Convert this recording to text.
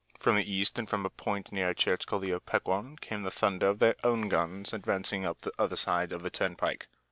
From the east and from a point near a church called the Opequon came the thunder of their own guns advancing up the other side of the turnpike.